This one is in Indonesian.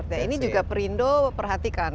ini juga perindo perhatikan